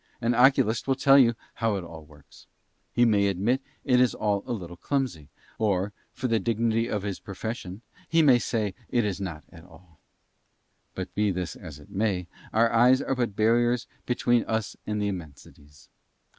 An oculist will tell you how it all works. He may admit it is all a little clumsy, or for the dignity of his profession he may say it is not at all. But be this as it may, our eyes are but barriers between us and the immensities.